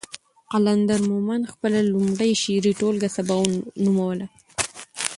قلندر مومند خپله لومړۍ شعري ټولګه سباوون نوموله.